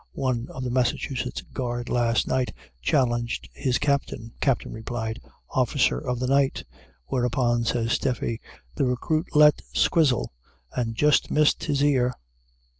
One of the Massachusetts guard last night challenged his captain. Captain replied, "Officer of the night." Whereupon, says Stephe, "the recruit let squizzle and jest missed his ear."